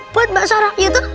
buat mbak sarah yuk tuh